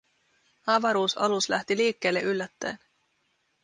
Avaruusalus lähti liikkeelle yllättäen.